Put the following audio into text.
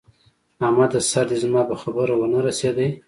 احمده! سر دې زما په خبره و نه رسېدی!